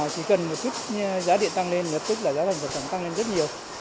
chỉ cần giá điện tăng lên giá thành sản phẩm tăng lên rất nhiều